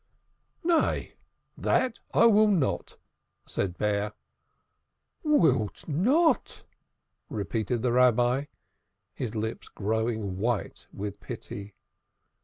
"Nay, that I will not," said Bear. "Will not?" repeated the Rabbi, his lips growing white with pity.